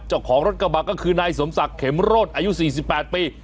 เจ้าของรถกระบะก็คือนายสมศักดิ์เข็มโรดอายุ๔๘ปี